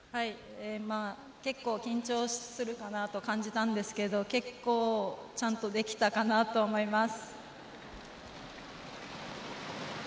結構、緊張するかなと感じたんですけど結構、ちゃんとできたかなと思います。